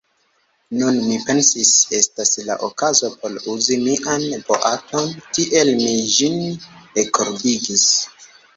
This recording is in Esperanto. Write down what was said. Nun, mi pensis, estas la okazo por uzi mian boaton; tiel mi ĝin ekordigis.